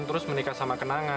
harus menikah sama kenanga